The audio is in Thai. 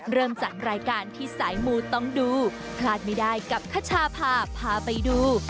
เริ่มจากรายการที่สายมูต้องดูพลาดไม่ได้กับคชาพาพาไปดู